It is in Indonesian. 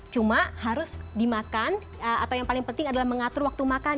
cuma harus dimakan atau yang paling penting adalah mengatur waktu makan